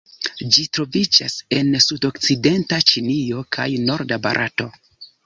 Ĝi troviĝas en sudokcidenta Ĉinio kaj norda Barato.